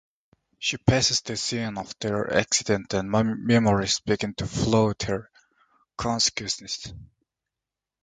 She passes the scene of their accident and memories begin to flood her consciousness.